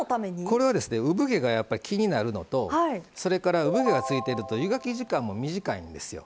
これはうぶ毛が気になるのとそれからうぶ毛がついてると湯がき時間も短いんですよ。